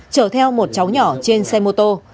chở theo một cháu nhỏ trên xe mô tô